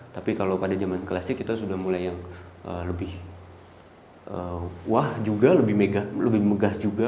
tapi kalau pada zaman klasik kita sudah mulai yang lebih wah juga lebih megah juga